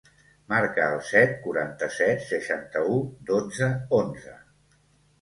Marca el set, quaranta-set, seixanta-u, dotze, onze.